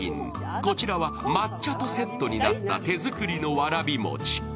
こちらは抹茶とセットになった手作りのわらび餅。